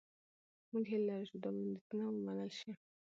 موږ هیله لرو چې دا وړاندیزونه ومنل شي.